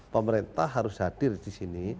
pemerintah harus hadir di sini